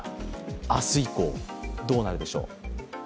明日以降どうなるでしょう。